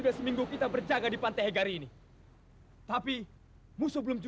kapan kita mati hanya yang widi yang tahu